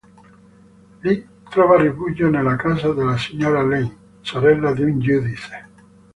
Lì, trova rifugio nella casa della signora Lane, sorella di un giudice.